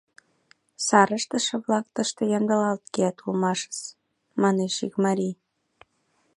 Сар ыштыше-влак тыште ямдылалт кият улмашыс, — манеш ик марий.